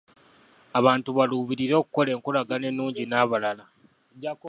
Abantu baluubirire okukola enkolagana ennungi n'abalala.